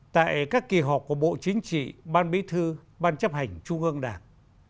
tại các kỳ họp của bộ chính trị ban bí thư ban chấp hành trung ương đảng